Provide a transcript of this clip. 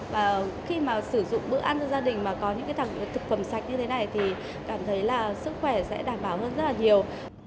và khi mà sử dụng bữa ăn cho gia đình mà có những cái thực phẩm sạch như thế này thì cảm thấy là sức khỏe sẽ đảm bảo hơn rất là nhiều